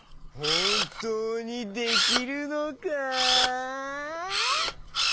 ほんとうにできるのか？